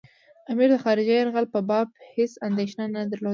امیر د خارجي یرغل په باب هېڅ اندېښنه نه درلوده.